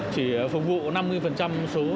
chỉ phục vụ năm mươi số